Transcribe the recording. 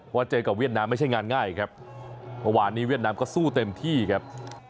ว่าเจอกับเวียดนามไม่ใช่งานง่ายครับเมื่อวานนี้เวียดนามก็สู้เต็มที่ครับ